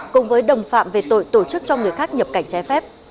cùng với đồng phạm về tội tổ chức cho người khác nhập cảnh trái phép